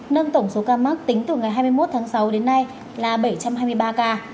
nâng tổng số ca mắc tính từ ngày hai mươi một tháng sáu đến nay là bảy trăm hai mươi ba ca